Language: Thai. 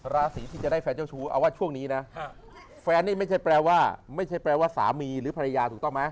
ราศีที่จะได้แฟนเจ้าชู้เอาว่าช่วงนี้นะแฟนนี่ไม่ใช่แปลว่าไม่ใช่แปลว่าสามีหรือภรรยาถูกต้องไหม